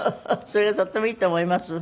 それがとってもいいと思います。